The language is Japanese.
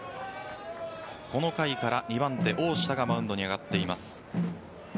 この回から２番手、大下がマウンドに上がっています。